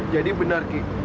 jadi benar ki